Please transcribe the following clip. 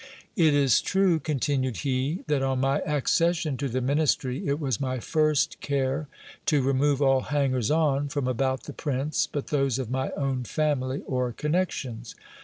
It is true, continued he, that on my accession to the ministry, it was my first care to remove all hangers on from about the prince but those of my own family or connections.